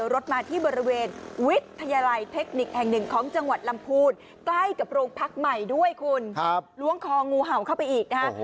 โรงพักใหม่ด้วยคุณครับล้วงคองงูเห่าเข้าไปอีกนะฮะ